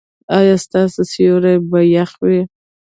ایا ستاسو سیوري به يخ وي؟